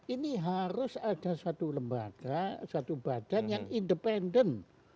ini harus ada satu lembaga satu badan yang independen